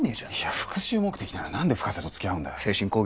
復讐目的なら何で深瀬と付き合う精神攻撃？